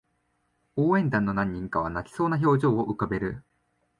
応援団の何人かは泣きそうな表情を浮かべる